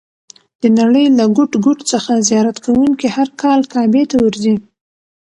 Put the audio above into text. د نړۍ له ګوټ ګوټ څخه زیارت کوونکي هر کال کعبې ته ورځي.